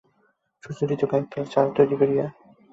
সুচরিতা কয়েক পেয়ালা চা তৈরি করিয়া পরেশের মুখের দিকে চাহিল।